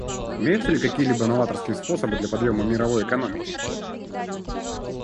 Имеются ли какие-либо новаторские способы для подъема мировой экономики?